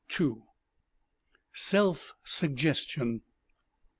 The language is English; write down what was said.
SELF SUGGESTION.